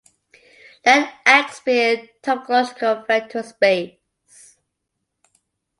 Let "X" be a topological vector space.